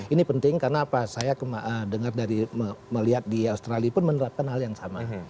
ini penting karena apa saya dengar dari melihat di australia pun menerapkan hal yang sama